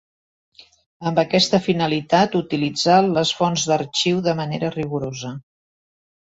Amb aquesta finalitat utilitzà les fonts d'arxiu de manera rigorosa.